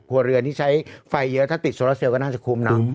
ครัวเรือนที่ใช้ไฟเยอะถ้าติดโซลาเซลก็น่าจะคุ้มนะ